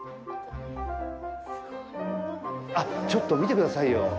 あっ、ちょっと見てくださいよ。